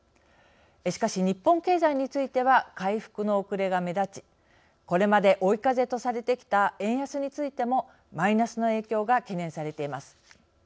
しかし日本経済については回復の遅れが目立ちこれまで追い風とされてきた円安についてもマイナスの影響が懸念されています。